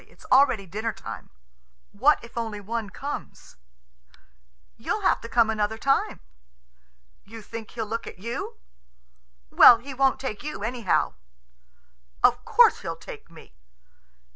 It's already dinner time." "What if only one comes?" "You'll have to come another time." "You think he'll look at you?" "Well, he won't take you, anyhow." "Of course he'll take me."